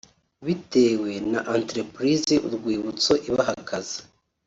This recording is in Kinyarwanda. bitewe na entrepise Urwibutso ibaha akazi